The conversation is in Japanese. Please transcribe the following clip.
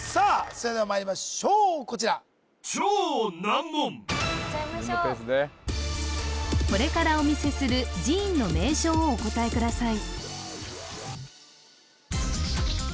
それではまいりましょうこちら自分のペースでこれからお見せする寺院の名称をお答えください